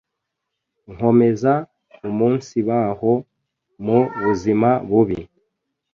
nkomeza umunsibaho mu buzima bubi